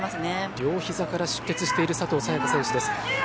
両膝から出血している佐藤早也伽選手です。